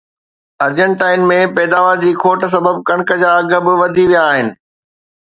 ارجنٽائن ۾ پيداوار جي کوٽ سبب ڪڻڪ جا اگهه به وڌي ويا آهن